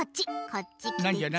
こっちきてち。